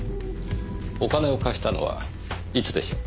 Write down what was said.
お金を貸したのはいつでしょう？